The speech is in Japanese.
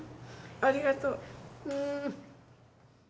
ありがとう。